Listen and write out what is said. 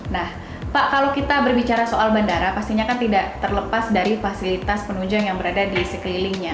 nah pak kalau kita berbicara soal bandara pastinya kan tidak terlepas dari fasilitas penunjang yang berada di sekelilingnya